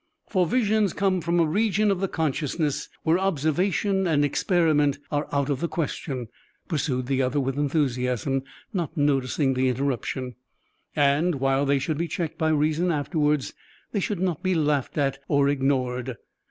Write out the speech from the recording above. "For Visions come from a region of the consciousness where observation and experiment are out of the question," pursued the other with enthusiasm, not noticing the interruption, "and, while they should be checked by reason afterwards, they should not be laughed at or ignored.